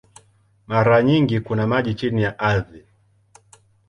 Mara nyingi kuna maji chini ya ardhi.